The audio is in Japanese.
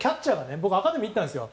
僕アカデミーに行ったんですよ。